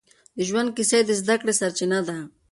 د ژوند کيسه يې د زده کړې سرچينه ده.